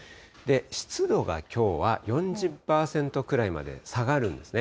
湿度がきょうは４０％くらいまで下がるんですね。